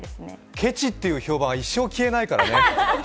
けちっていう評判は一生消えないからね。